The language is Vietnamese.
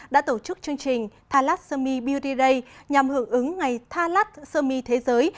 đã tổ chức chương trình tha lát sơ mi beauty day nhằm hưởng ứng ngày tha lát sơ mi thế giới